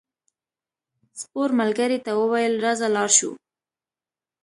سپور ملګري ته وویل راځه لاړ شو.